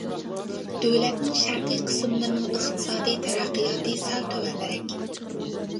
دۆلەتنىڭ شەرقىي قىسىملىرىنىڭ ئىقتىسادىي تەرەققىياتى سەل تۆۋەنرەك.